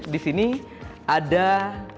di sini ada dua kolom